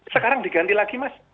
sekarang diganti lagi mas